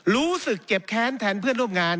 รู้สึกเจ็บแค้นแทนเพื่อนร่วมงาน